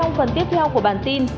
sau phần tiếp theo của bản tin